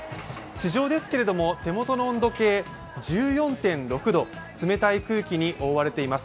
地上ですけれども手元の温度計、１４．６度冷たい空気に覆われています。